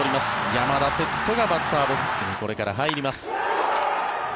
山田哲人がバッターボックスにこれから入ります。